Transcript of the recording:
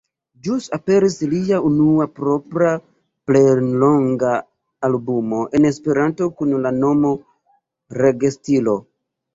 Ĵus aperis lia unua propra plenlonga albumo en Esperanto kun la nomo Regestilo.